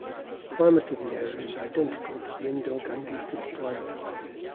Climate of the area is identical to the Indo-Gangatic plain.